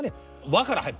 「わ」から入る。